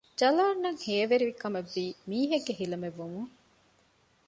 ޖަލާންއަށް ހޭވެރިކަމެއްވީ މީހެއްގެ ހިލަމެއްވުމުން